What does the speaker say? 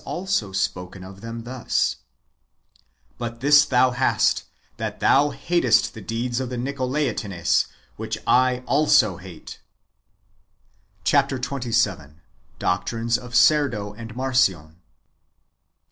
also spoken of tliem thus :" But this thou hast, that thou hatest the deeds of the Nicolaitanes, which I also hate."^ Chap, xxvii. — Doctrines of Cerdo and Marcion.